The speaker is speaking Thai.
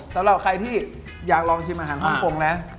สำหรับใครที่อยากลองชิมอาหารฮ่องกงนะ